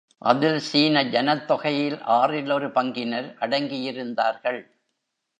அதில் சீன ஜனத்தொகையில் ஆறில் ஒரு பங்கினர் அடங்கியிருந்தார்கள்.